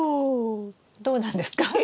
どうなんですか？